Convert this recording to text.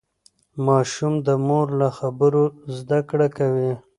ماشوم د مور له خبرو زده کړه کوي.